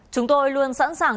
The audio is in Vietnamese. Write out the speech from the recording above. chúng tôi luôn sẵn sàng